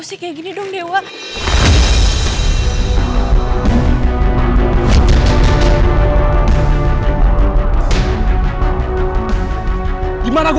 papa dipercaya sama mama